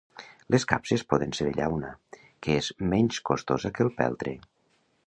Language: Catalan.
Les capses poden ser de llauna, que és menys costosa que el peltre.